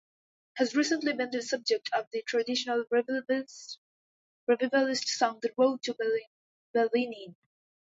Has recently been the subject of the traditional revivalist song "The Road To Ballineen"